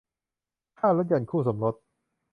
ค่าลดหย่อนคู่สมรส